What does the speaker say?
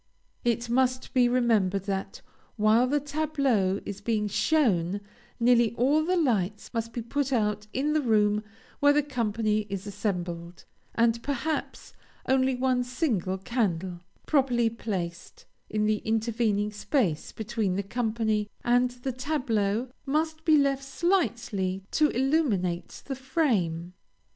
It must be remembered that, while the tableau is being shown, nearly all the lights must be put out in the room where the company is assembled; and, perhaps, only one single candle, properly placed, in the intervening space between the company and the tableau, must be left slightly to illuminate the frame.